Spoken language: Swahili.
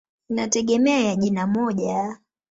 Inategemea ya jina moja.